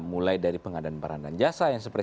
mulai dari pengadaan barang dan jasa yang seperti